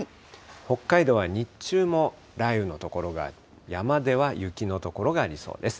北海道は日中も雷雨の所が、山では雪の所がありそうです。